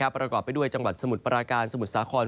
ประกอบไปด้วยจังหวัดสมุทรปราการสมุทรสาคร